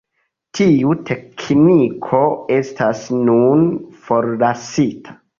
Tiu tekniko estas nun forlasita.